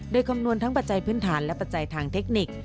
โดยคำนวณทั้งปัจจัยพื้นฐานและปัจจัยทางเทคนิค